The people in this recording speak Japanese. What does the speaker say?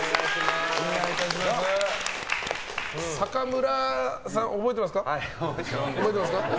坂村さん覚えてますか？